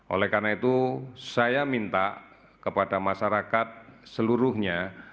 oleh karena itu saya minta kepada masyarakat seluruhnya